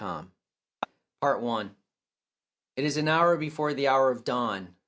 TIRESIAS PART I IT is an hour before the hour of dawn.